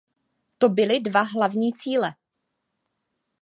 To byly dva hlavní cíle.